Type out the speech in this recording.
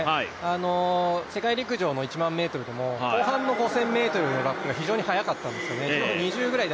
世界陸上の１００００ｍでも後半の５０００ｍがラップが非常に早かったんですね。